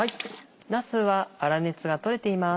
なすは粗熱が取れています。